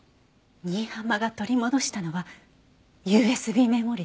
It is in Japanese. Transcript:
新浜が取り戻したのはＵＳＢメモリだった。